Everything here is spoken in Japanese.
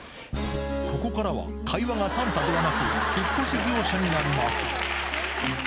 ここからは、会話がサンタではなく、引っ越し業者になります。